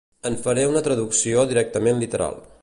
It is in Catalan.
En faré una traducció directament literal.